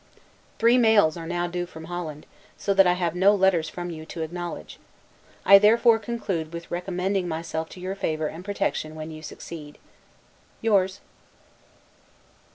Three mails are now due from Holland; so that I have no letters from you to acknowledge. I therefore conclude with recommending myself to your favor and protection when you succeed. Yours.